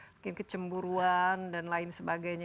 mungkin kecemburuan dan lain sebagainya